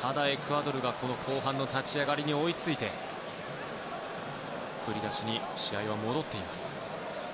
ただ、エクアドルがこの後半の立ち上がりに追いついて振り出しに試合は戻っています。